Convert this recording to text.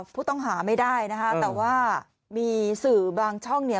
ผู้ต้องหาไม่ได้นะคะแต่ว่ามีสื่อบางช่องเนี่ย